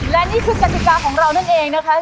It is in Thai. และนี่คือกติกาของเรานั่นเองนะคะ